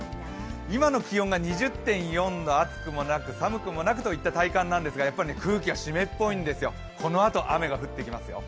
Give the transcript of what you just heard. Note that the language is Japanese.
今の気温が２０．４度、暑くもなく寒くもなくといった体感ですがやっぱり空気は湿っぽいんですよ、このあと雨が降ってきますよ。